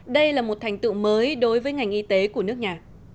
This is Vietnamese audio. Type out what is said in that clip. đây là một thành tựu mới đối với ngành y tế của nước nhà